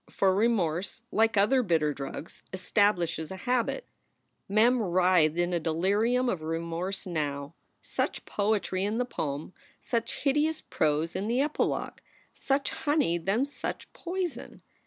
For remorse, like other bitter drugs, establishes a habit. Mem writhed in a delirium of remorse now. Such poetry in the proem, such hideous prose in the epilogue! Such honey, then such poison!